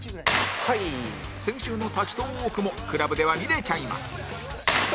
先週の立ちトーークも ＣＬＵＢ では見れちゃいます